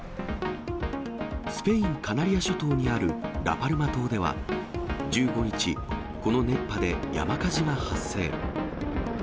スペイン・カナリア諸島にあるラパルマ島では、１５日、この熱波で山火事が発生。